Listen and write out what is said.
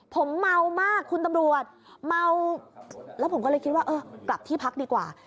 ผมเมามากคุณตำรวจเมาแล้วผมก็เลยคิดว่าเออกลับที่พักดีกว่า